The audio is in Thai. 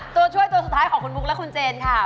ตัวช่วยสุดท้ายของคุณพุครับคุณเจนค่ะ